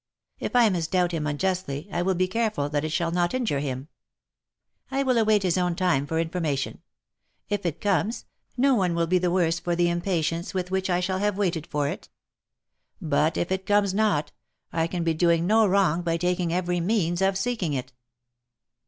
If I misdoubt him unjustly, I will be careful that it shall not injure him. I will await his own time for information. If it comes, no one will be the worse for the impatience with which I shall have waited for it. But, if it comes not, I can be doing no wrong by taking every means of seeking it."